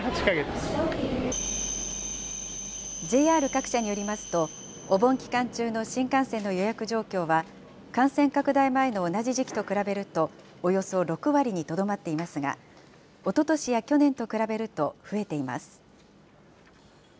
ＪＲ各社によりますと、お盆期間中の新幹線の予約状況は、感染拡大前の同じ時期と比べると、およそ６割にとどまっていますが、おととしや去年と比べると増えています。